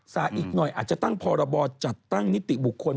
อีกหน่อยอาจจะตั้งพรบจัดตั้งนิติบุคคล